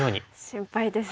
心配ですね。